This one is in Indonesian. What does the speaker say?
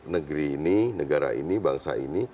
negeri ini negara ini bangsa ini